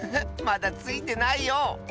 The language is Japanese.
まだついてないよ。